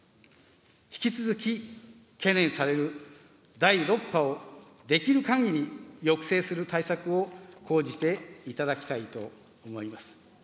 引き続き懸念される、第６波をできるかぎり抑制する対策を講じていただきたいと思います。